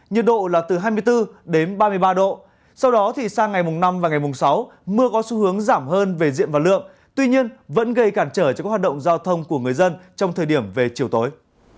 nhiệt độ là từ hai mươi bốn ba mươi ba độ sau đó thì sang ngày năm sáu mưa có xu hướng giảm hơn về diện và lượng tuy nhiên vẫn gây cản trở cho các hoạt động giao thông của người dân trong thời điểm về chiều tối